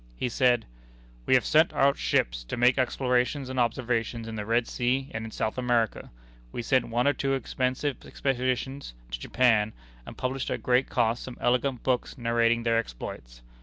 He said: "We have sent out ships to make explorations and observations in the Red Sea and in South America; we sent one or two expensive expeditions to Japan, and published at great cost some elegant books narrating their exploits.